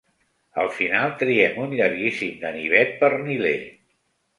Al final trien un llarguíssim ganivet perniler.